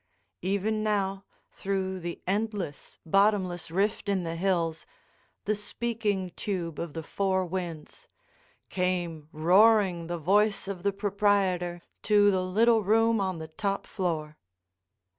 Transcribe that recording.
Even now through the endless, bottomless rift in the hills—the speaking tube of the four winds—came roaring the voice of the proprietor to the little room on the top floor.